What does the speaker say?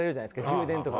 充電とか。